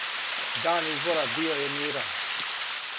Дан избора био је миран.